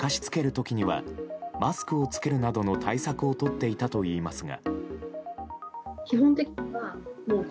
時にはマスクを着けるなどの対策をとっていたといいますが。